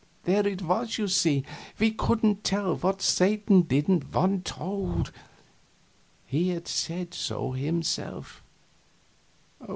There it was, you see we couldn't tell what Satan didn't want told; he had said so himself.